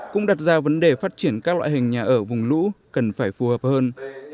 cũng đặt ra vấn đề phát triển các loại hình nhà ở vùng lũ cần phải phù hợp hơn